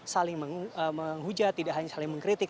saling menghujat tidak hanya saling mengkritik